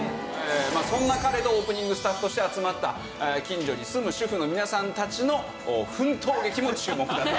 まあそんな彼とオープニングスタッフとして集まった近所に住む主婦の皆さんたちの奮闘劇も注目だと。